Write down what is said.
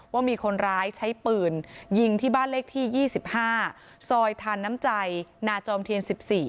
ว่ามีคนร้ายใช้ปืนยิงที่บ้านเลขที่๒๕ซอยทานน้ำใจนาจอมเทียน๑๔